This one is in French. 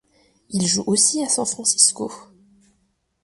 Ils jouent aussi à San Francisco.